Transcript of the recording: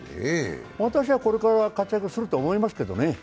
私は、これから活躍すると思いますけどね。